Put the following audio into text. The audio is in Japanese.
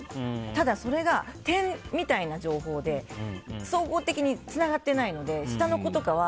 ただ、それが点みたいな情報で総合的につながってないので下の子とかは